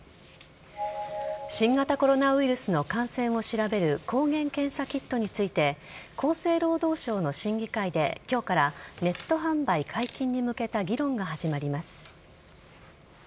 新型コロナウイルスの感染を調べる抗原検査キットについて厚生労働省の審議会で今日からネット販売解禁に向けた議論が始まります。